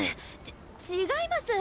ち違います。